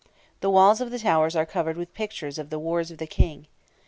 The walls of the towers are covered with pictures of the wars of the King.